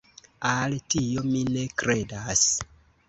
Al tio mi ne kredas.